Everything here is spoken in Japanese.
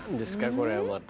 これはまた。